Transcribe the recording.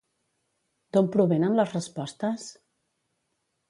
D'on provenen les respostes?